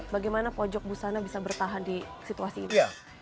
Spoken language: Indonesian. bagaimana pojok busana bisa bertahan di situasi ini